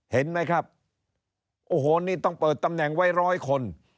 เห็นไหมครับโอ้โหนี่ต้องเปิดตำแหน่งไว้ร้อยคน